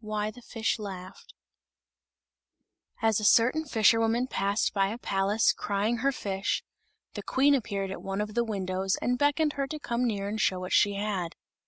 WHY THE FISH LAUGHED As a certain fisherwoman passed by a palace crying her fish, the Queen appeared at one of the windows and beckoned her to come near and show what she had.